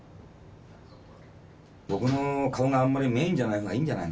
僕の顔があんまりメーンじゃないほうがいいんじゃないかな。